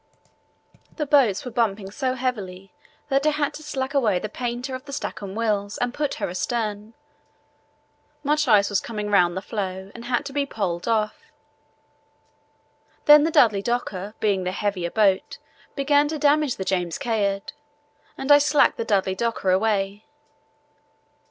The boats were bumping so heavily that I had to slack away the painter of the Stancomb Wills and put her astern. Much ice was coming round the floe and had to be poled off. Then the Dudley Docker, being the heavier boat, began to damage the James Caird, and I slacked the Dudley Docker away.